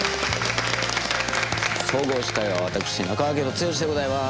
総合司会は私中川家の剛でございます。